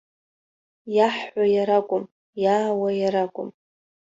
Иаҳҳәо иара акәым, иаауа иара акәым.